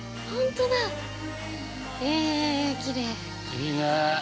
◆いいね。